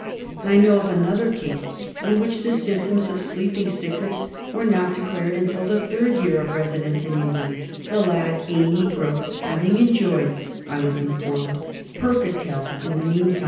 I know of another case in which the symptoms of Sleeping Sickness were not declared until the third year of residence in England, the lad, a negro, having enjoyed, I was informed, perfect health in the meantime.